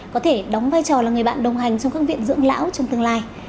có thể đóng vai trò là người bạn đồng hành trong các viện dưỡng lão trong tương lai